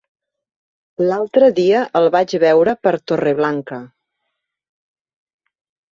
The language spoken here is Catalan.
L'altre dia el vaig veure per Torreblanca.